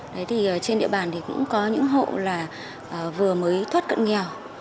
đấy thì trên địa bàn thì cũng có những hộ là vừa mới thoát cận nghèo